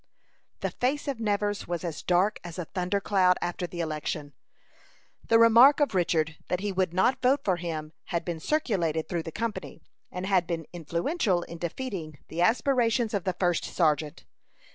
The face of Nevers was as dark as a thunder cloud after the election. The remark of Richard that he would not vote for him had been circulated through the company, and had been influential in defeating the aspirations of the first sergeant.